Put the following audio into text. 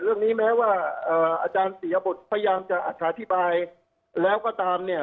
เรื่องนี้แม้ว่าอาจารย์ปียบุตรพยายามจะอธิบายแล้วก็ตามเนี่ย